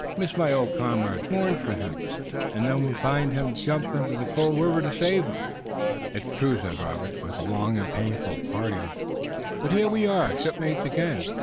Miss my old comrade. Mourn for him, and then when find him jump into the cold river to save him." "It's true," said Robert, "it was a long and painful parting, but here we are, shipmates again.